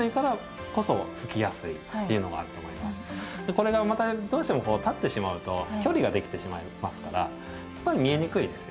これがまたどうしても立ってしまうと距離ができてしまいますからやっぱり見えにくいですよね。